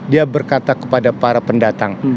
dia berkata kepada para pendatang